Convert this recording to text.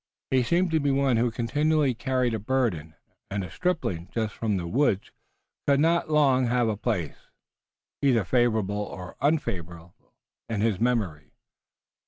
He seemed to be one who continually carried a burden, and a stripling just from the woods could not long have a place, either favorable or unfavorable, in his memory.